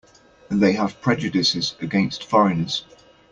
They have prejudices against foreigners.